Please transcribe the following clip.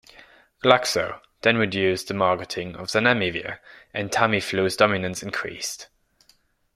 Glaxo then reduced the marketing of zanamivir, and Tamiflu's dominance increased.